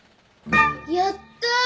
やった！